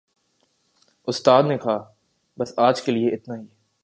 اُستاد نے کہا، "بس آج کے لئے اِتنا ہی"